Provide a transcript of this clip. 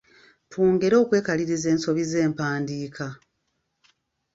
Twongere okwekaliriza ensobi z’empandiika.